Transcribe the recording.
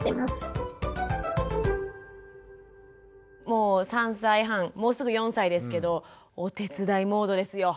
もう３歳半もうすぐ４歳ですけどお手伝いモードですよ。